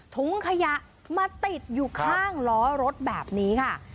ถุงขยะมาติดอยู่ข้างล้อรถแบบนี้ค่ะ